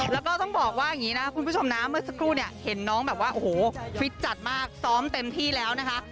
แล้วก็ต้องบอกว่าอย่างนี้นะคุณผู้ชมนะเมื่อสักครู่เนี่ยเห็นน้องแบบว่าโอ้โหฟิตจัดมากซ้อมเต็มที่แล้วนะคะ